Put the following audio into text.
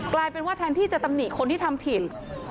กลายเป็นว่าแทนที่จะตำหนิคนที่ทำผิด